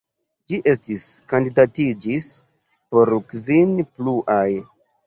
Ĝi estis kandidatiĝis por kvin pluaj.